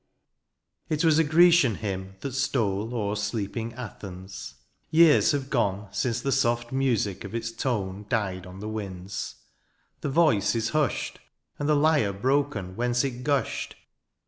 It was a Grecian hymn that stole O'er sleeping Athens — ^years have gone Since the soft music of its tone THE AREOPAGITE. 11 Died on the winda — the voice is hushed And the lyre broken whence it gushed.